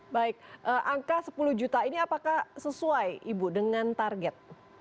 baik angka sepuluh juta ini apakah sesuai ibu dengan target